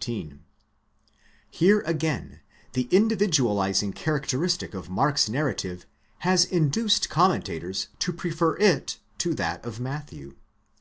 7 Here, again, the individualizing characteristic of Mark's narrative has induced commentators to prefer it to that of Matthew.